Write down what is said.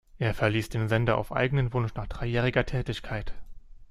Er verliess den Sender auf eigenen Wunsch nach dreijähriger Tätigkeit.